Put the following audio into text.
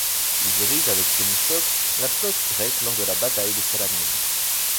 Il dirige, avec Thémistocle, la flotte grecque lors de la bataille de Salamine.